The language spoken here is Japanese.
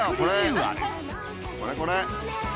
これこれ！